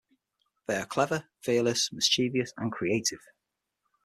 They are clever, fearless, mischievous and creative.